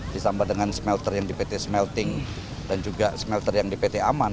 ditambah dengan smelter yang di pt smelting dan juga smelter yang di pt aman